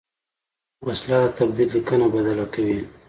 وسله د تقدیر لیکنه بدله کوي